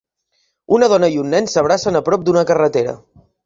Una dona i un nen s'abracen a prop d'una carretera.